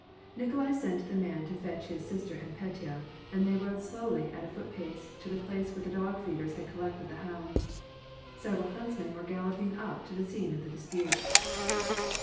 Nikolai sent the man to fetch his sister and Petya ; and they rode slowly, at a footpace, to the place where the dog feeders had collected the hounds. Several huntsmen were galloping up to the scene of the dispute.